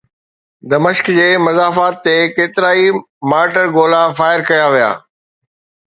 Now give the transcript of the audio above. دمشق جي مضافات تي ڪيترائي مارٽر گولا فائر ڪيا ويا